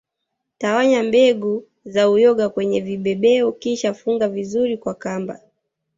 Tawanya mbegu za uyoga kwenye vibebeo kisha funga vizuri kwa kamba